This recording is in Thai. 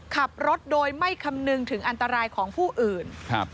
ขับรถโดยไม่คำนึงถึงอันตรายของผู้อื่นครับ